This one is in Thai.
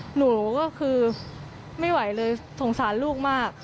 หนูก็คือไม่ไหวเลยสงสารลูกมาก